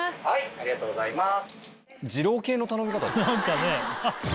ありがとうございます。